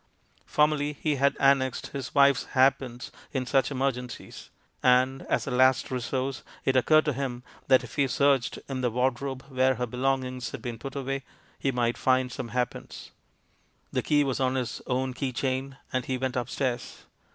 Formerly he had annexed his wife's hairpins in such emergencies; and, as a last resource, it occurred to him that, if he searched in the ward robe where her belongings had been put away, he might find some hairpins. The key was on his own key chain, and he went upstairs.